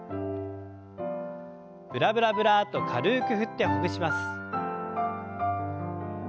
ブラブラブラッと軽く振ってほぐします。